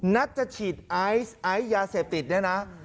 นัดจะฉีดไอซ์ไอซ์ยาเสพติดเนี่ยนะ